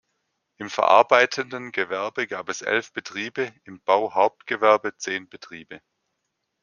Im verarbeitenden Gewerbe gab es elf Betriebe, im Bauhauptgewerbe zehn Betriebe.